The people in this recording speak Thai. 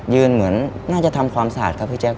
เหมือนน่าจะทำความสะอาดครับพี่แจ๊